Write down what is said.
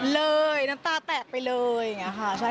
เร้ยน้ำตาแตกไปเลย